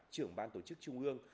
trưởng ban tổ chức trung ương